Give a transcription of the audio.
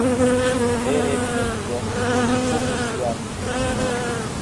Vere mi ne scias, ĉu mi povus jam nun.